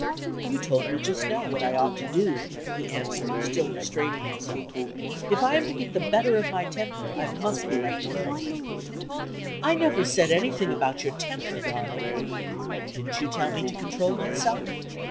"You told me just now what I ought to do," he answered, still restraining himself. "If I am to get the better of my temper, I must be left alone." "I never said anything about your temper, darling." "Didn't you tell me to control myself?"